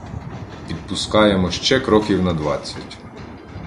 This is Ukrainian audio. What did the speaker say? Підпускаємо ще кроків на двадцять.